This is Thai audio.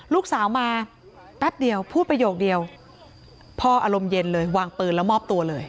ลูกสาวมาแป๊บเดียวพูดประโยคเดียวพ่ออารมณ์เย็นเลยวางปืนแล้วมอบตัวเลย